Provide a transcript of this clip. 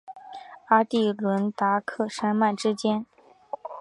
阿第伦达克山脉之间。